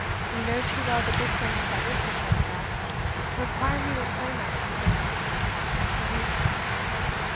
You know too well the distance that is betwixt us, to require me to explain myself further. Good evening."